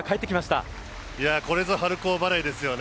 これぞ春高バレーですよね。